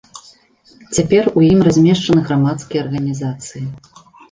Цяпер у ім размешчаны грамадскія арганізацыі.